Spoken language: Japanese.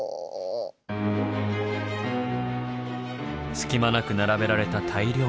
隙間なく並べられた大量の本。